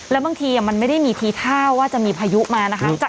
แล้วบางทีมันไม่ได้มีทีท่าว่าจะมีพายุมานะคะ